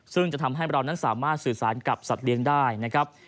ซึ่งจะทำให้เรานั้นสามารถสื่อสารกับสัตว์เลี้ยงได้นะครับ